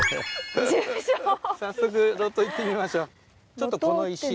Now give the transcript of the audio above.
早速露頭行ってみましょう。